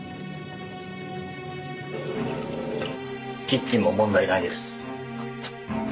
キッチンも問題ないです。